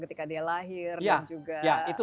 ketika dia lahir dan juga ya ya itu